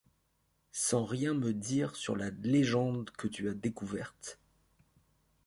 Sans rien me dire sur la légende que tu as découverte.